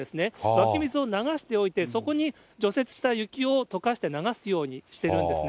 湧き水を流しておいて、そこに除雪した雪をとかして流すようにしてるんですね。